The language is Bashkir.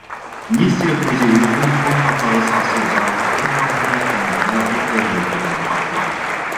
Нестеров музейы өсөн фонд һаҡлағыс асыу зарурлығы тураһында кәмендә утыҙ йыл һүҙ алып барыла.